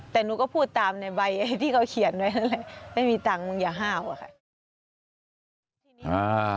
แต่หนูก็พูดตามในใบที่เขาเขียนไว้นั่นแหละไม่มีตังค์มึงอย่าห้าวอะค่ะ